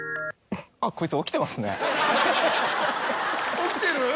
起きてる？